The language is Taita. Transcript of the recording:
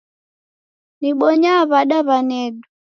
Dibonya w'ada w'anedu?